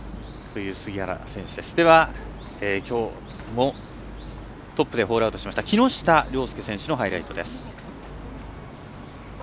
ではきょうトップでホールアウトした木下稜介選手のハイライトです。